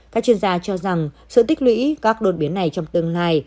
các chuyên gia cho rằng sự tích lũy các đồn biến này trong tương lai